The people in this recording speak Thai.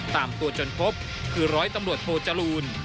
ตามตัวจนพบคือร้อยตำรวจโทจรูล